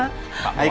pak bawa dia